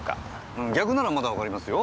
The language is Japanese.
逆ならまだわかりますよ。